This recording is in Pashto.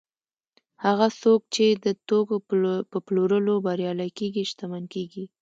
هغه څوک چې د توکو په پلورلو بریالي کېږي شتمن کېږي